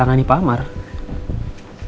yang ngantri buat ditangani pak amar